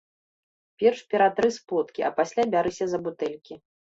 Перш ператры сподкі, а пасля бярыся за бутэлькі.